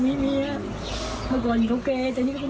แนวว่าแนะคะโหลคะก็ตัวพี่แล้ว